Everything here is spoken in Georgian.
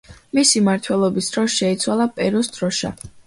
მისი მმართველობის დროს შეიცვალა პერუს დროშა.